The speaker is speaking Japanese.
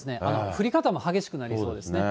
降り方も激しくなりそうですね。